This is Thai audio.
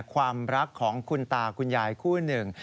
ความรักของคุณตาคุณยายคู่หนึ่ง